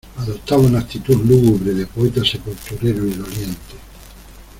adoptaba una actitud lúgubre de poeta sepulturero y doliente.